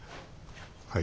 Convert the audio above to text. はい。